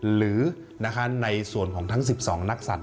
หรือในส่วนของทั้ง๑๒นักสัตว